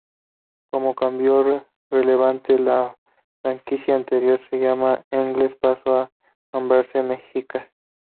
Como cambio relevante, la franquicia anteriormente llamada Eagles pasó a nombrarse "Mexicas".